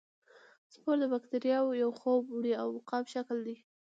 سپور د باکتریاوو یو خوب وړی او مقاوم شکل دی.